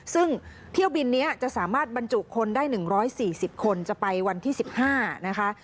ซึ่งเที่ยวบินนี้จะสามารถบรรจุคนได้๑๔๐คนจะไปวันที่๑๕นะคะ